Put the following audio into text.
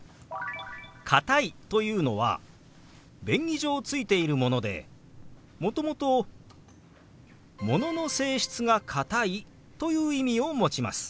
「かたい」というのは便宜上ついているものでもともと「物の性質が硬い」という意味を持ちます。